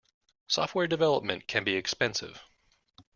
Software development can be expensive.